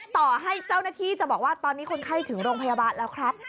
ต่อให้เจ้าหน้าที่จะบอกว่าตอนนี้คนไข้ถึงโรงพยาบาลแล้วครับ